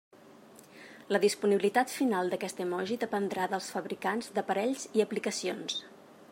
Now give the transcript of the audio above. La disponibilitat final d'aquest emoji dependrà dels fabricants d'aparells i aplicacions.